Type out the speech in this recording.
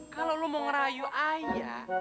kalau lo mau ngerayu ayah